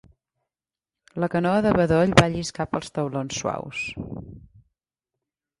La canoa de bedoll va lliscar pels taulons suaus.